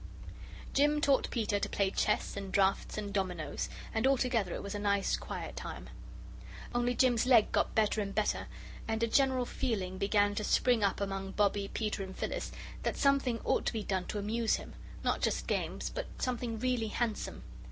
Jim taught Peter to play chess and draughts and dominoes, and altogether it was a nice quiet time. Only Jim's leg got better and better, and a general feeling began to spring up among Bobbie, Peter, and Phyllis that something ought to be done to amuse him; not just games, but something really handsome.